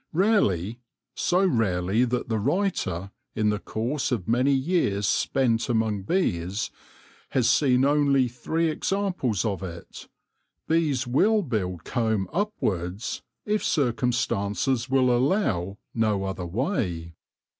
Rarely — so rarely that the writer, in the course of many years spent among bees, has seen only three examples of it — bees will build comb upwards, if circumstances will allow no other way.